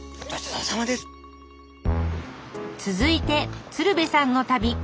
続いて鶴瓶さんの旅。